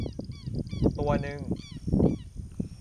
ตัวนึง